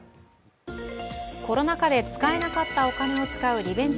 コロナ禍で使えなかったお金を使うリベンジ